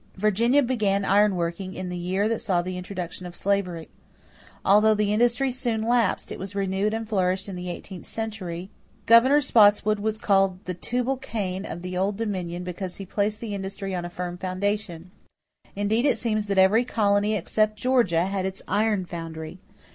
Virginia began iron working in the year that saw the introduction of slavery. Although the industry soon lapsed, it was renewed and flourished in the eighteenth century. Governor Spotswood was called the "Tubal Cain" of the Old Dominion because he placed the industry on a firm foundation. Indeed it seems that every colony, except Georgia, had its iron foundry.